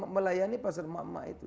melayani pasar mak mak itu